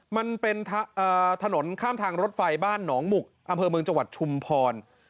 มันเป็นถนนข้ามทางรถไฟบ้านหนองหมุกอำเภอเมืองจังหวัดชุมพร